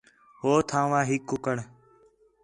ہو تھاں وا ہِک کُکڑ